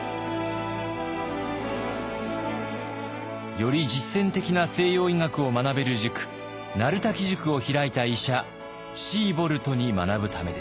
より実践的な西洋医学を学べる塾鳴滝塾を開いた医者シーボルトに学ぶためでした。